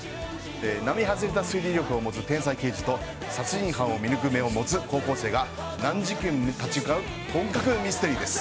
並外れた推理力を持つ天才刑事と殺人犯を見抜く目を持つ高校生が難事件に立ち向かう本格ミステリーです。